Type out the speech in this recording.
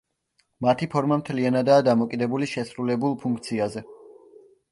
მათი ფორმა მთლიანადაა დამოკიდებული შესრულებულ ფუნქციაზე.